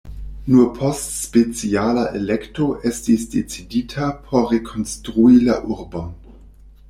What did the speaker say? Nur post speciala elekto estis decidita por rekonstrui la urbon.